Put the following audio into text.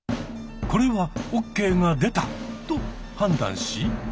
これはオッケーが出た？と判断し。